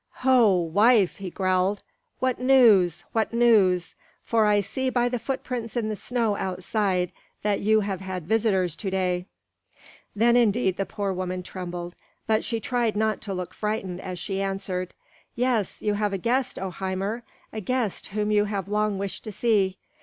"Ho! wife," he growled, "what news, what news? For I see by the footprints in the snow outside that you have had visitors to day." Then indeed the poor woman trembled; but she tried not to look frightened as she answered, "Yes, you have a guest, O Hymir! a guest whom you have long wished to see.